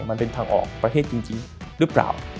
มันเป็นทางออกประเทศจริงหรือเปล่า